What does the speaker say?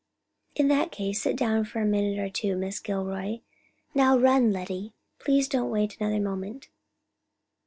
"In that case, sit down for a minute or two, Miss Gilroy. Now run, Lettie; please don't wait another moment."